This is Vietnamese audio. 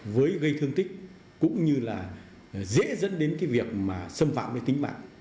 với gây thương tích cũng như là dễ dẫn đến cái việc mà xâm phạm đến tính mạng